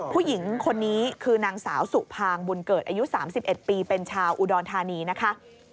ผู้หญิงคนนี้คือนางสาวสุภางบุญเกิดอายุ๓๑ปีเป็นชาวอุดรธานีนะคะ